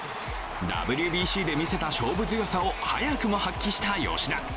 ＷＢＣで見せた勝負強さを早くも発揮した吉田。